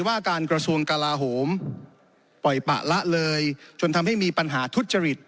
ว่าการกระทรวงกลาโหมปล่อยปะละเลยจนทำให้มีปัญหาทุจริต